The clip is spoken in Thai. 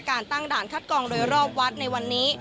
การตั้งด่านคัดกองโดยรอบวัดในวันนี้